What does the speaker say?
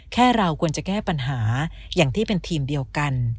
เราควรจะแก้ปัญหาอย่างที่เป็นทีมเดียวกัน